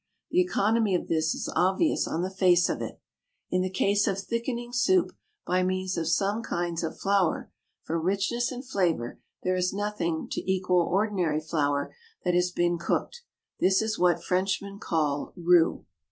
The economy of this is obvious on the face of it. In the case of thickening soup by means of some kinds of flour, for richness and flavour there is nothing to equal ordinary flour that has been cooked. This is what Frenchmen call roux.